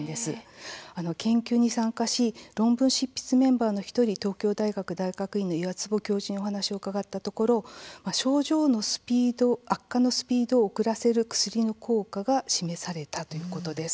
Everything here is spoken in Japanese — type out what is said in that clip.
研究に参加し論文執筆メンバーの１人東京大学大学院の岩坪教授にお話を伺ったところ症状の悪化のスピードを遅らせる薬の効果が示されたということです。